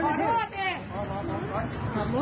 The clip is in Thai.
เขาจะมาชวนขอโทษ